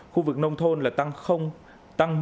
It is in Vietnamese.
khu vực nông thôn tăng một chín